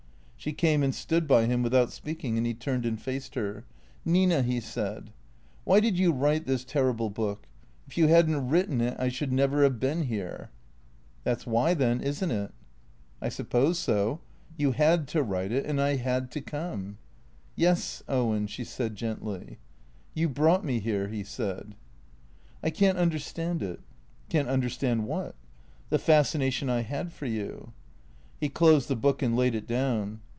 She came and stood by him, without speaking, and he turned and faced her. " Nina," he said, " why did you write this terrible book ? If you had n't written it, I should never have been here." " That 's why, then, is n't it ?"" I suppose so. You had to write it, and I had to come." " Yes, Owen," she said gently. " You brought me here," he said. " I can't understand it." " Can't understand what ?"" The fascination I had for you." He closed the book and laid it down.